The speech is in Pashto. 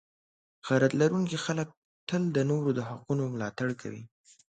غیرت لرونکي خلک تل د نورو د حقونو ملاتړ کوي.